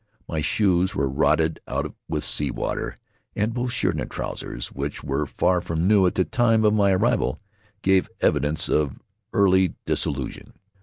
My shoes were rotted out with sea water, and both shirt and trousers, which were far from new at the time of my arrival, gave evidence of early dissolution.